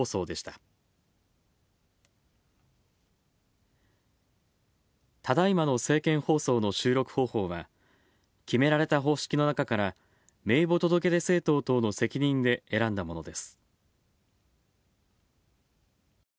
ただいまの政見放送の収録方法は、決められた方式の中から名簿届出政党等の責任で選んだものです。